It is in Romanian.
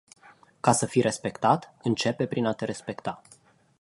Ca să fii respectat, începe prin a te respecta.